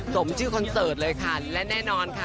สมชื่อคอนเสิร์ตเลยค่ะและแน่นอนค่ะ